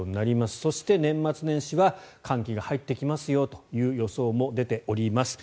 そして、年末年始は寒気が入ってきますよという予想も出ております。